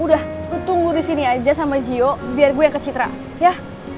udah lu tunggu di sini aja sama jiho biar gua yang ke citra ya